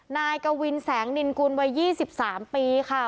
นายกวินแสงนินกุลวัย๒๓ปีค่ะ